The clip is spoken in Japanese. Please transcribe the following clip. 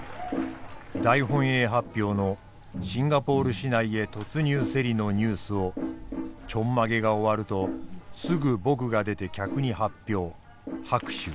大本営発表のシンガポール市内へ突入せりのニュースをちょんまげが終わるとすぐ僕が出て客に発表拍手。